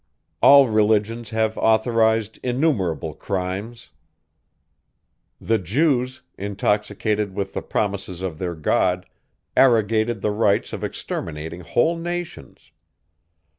All religions have authorized innumerable crimes. The Jews, intoxicated with the promises of their God, arrogated the rights of exterminating whole nations.